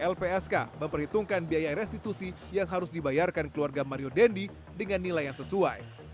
lpsk memperhitungkan biaya restitusi yang harus dibayarkan keluarga mario dendi dengan nilai yang sesuai